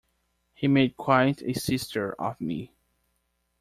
He made quite a sister of me.